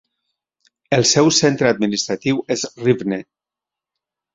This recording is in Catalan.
El seu centre administratiu és Rivne.